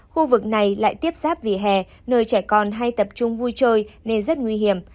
khu vực này lại tiếp giáp về hè nơi trẻ con hay tập trung vui chơi nên rất nguy hiểm